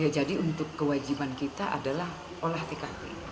jadi untuk kewajiban kita adalah olah tkp